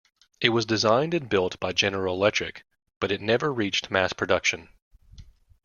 It was designed and built by General Electric, but it never reached mass production.